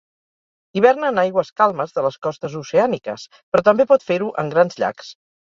Hiverna en aigües calmes de les costes oceàniques, però també pot fer-ho en grans llacs.